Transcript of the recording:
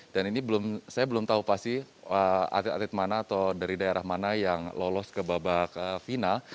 dan ini saya belum tahu pasti atlet atlet mana atau dari daerah mana yang lolos ke babak final